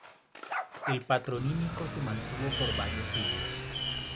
El patronímico se mantuvo por varios siglos.